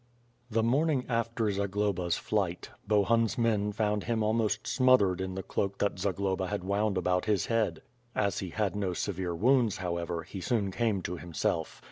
The morning after Zagloba's flight, Bohun^s men found him almost smothered in the cloak that Zagloba had wound about his head. As he had no severe wounds, however, he soon came to himself.